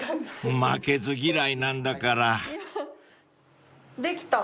［負けず嫌いなんだから］できた。